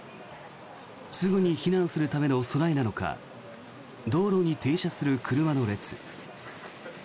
すぐに避難するための備えなのか道路に停車する車の列。